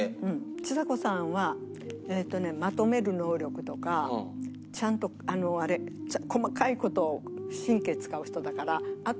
ちさ子さんはまとめる能力とかちゃんと細かい事を神経使う人だから。